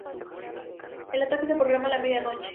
El ataque se programa a la media noche.